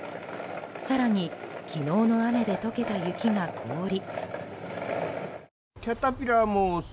更に、昨日の雨で溶けた雪が凍り。